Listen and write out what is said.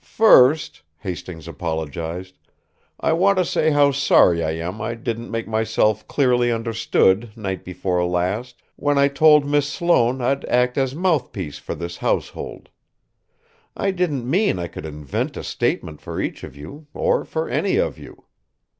"First," Hastings apologized, "I want to say how sorry I am I didn't make myself clearly understood night before last when I told Miss Sloane I'd act as mouthpiece for this household. I didn't mean I could invent a statement for each of you, or for any of you.